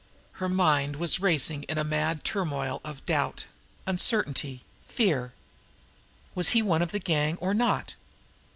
Her mind was racing in a mad turmoil of doubt, uncertainty, fear. Was he one of the gang, or not?